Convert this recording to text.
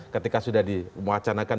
ketika sudah dimuacanakan